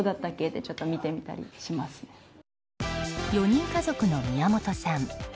４人家族の宮本さん。